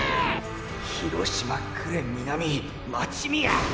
広島呉南待宮。